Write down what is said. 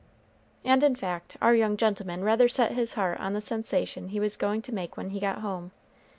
And, in fact, our young gentleman rather set his heart on the sensation he was going to make when he got home.